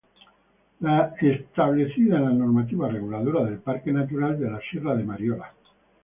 Las establecidas en la normativa reguladora del Parque natural de la Sierra de Mariola.